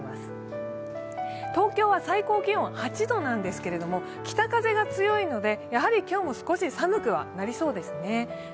東京は最高気温８度なんですけれども北風が強いので、やはり今日も少し寒くはなりそうですね。